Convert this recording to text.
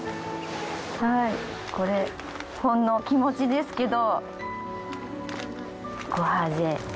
これほんの気持ちですけど。